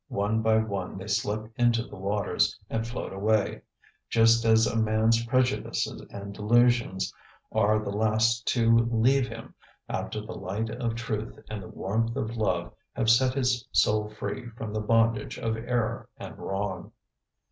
One by one they slip into the waters and float away, just as a man's prejudices and delusions are the last to leave him after the light of truth and the warmth of love have set his soul free from the bondage of error and wrong.